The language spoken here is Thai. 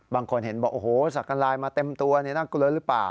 บางคนเห็นบอกโอ้โหสักการลายมาเต็มตัวน่ากลัวหรือเปล่า